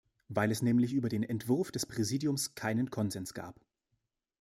Weil es nämlich über den Entwurf des Präsidiums keinen Konsens gab.